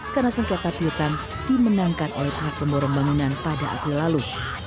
karena sungketa pihutan dimenangkan oleh pahak pemborong bangunan pada abil lalu